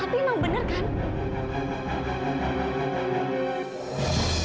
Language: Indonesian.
tapi emang bener kan